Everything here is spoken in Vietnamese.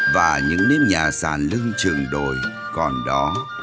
và những nếp nhà sàn lưng trường đồi còn đó